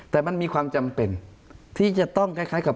แต่มันมีความจำเป็นที่จะต้องคล้ายกับ